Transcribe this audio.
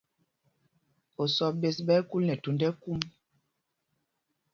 Osɔ́ ɓēs ɓɛ́ ɛ́ kúl nɛ thūnd ɛkúm.